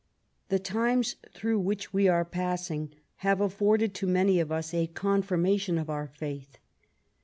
The times through which we are passing have afforded to many of us a confirmation of our faith.